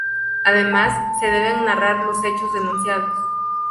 Además, se deben narrar los hechos denunciados.